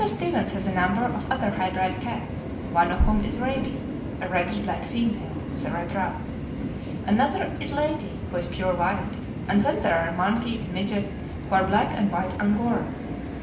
Stevens has a number of other high bred cats, one of whom is Raby, a reddish black female, with a red ruff. Another is Lady, who is pure white; and then there are Monkey and Midget, who are black and white Angoras.